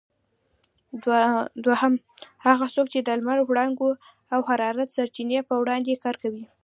دوهم: هغه څوک چې د لمر وړانګو او حرارت سرچینې په وړاندې کار کوي؟